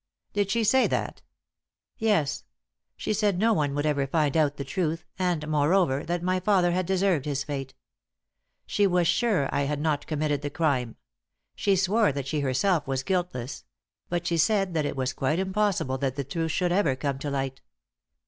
"Did she say that?" "Yes; she said no one would ever find out the truth, and, moreover, that my father had deserved his fate. She was sure I had not committed the crime; she swore that she herself was guiltless; but she said that it was quite impossible that the truth should ever come to light."